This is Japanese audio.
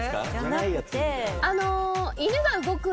あの。